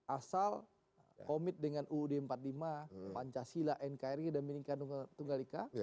asal komit dengan uud empat puluh lima pancasila nkri dan menikah tunggal ika